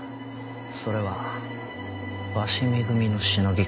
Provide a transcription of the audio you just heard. それは鷲見組のシノギか？